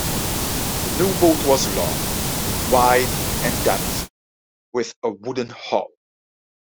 The new boat was long, wide and depth, with a wooden hull.